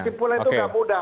kamil dipulai itu gak mudah